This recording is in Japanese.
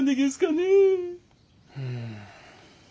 うん。